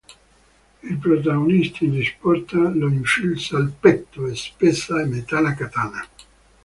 Il protagonista, in risposta, lo infilza al petto e spezza a metà la Katana.